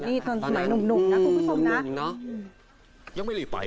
นี่ตอนสมัยหนุ่มนะคุณผู้ชมนะ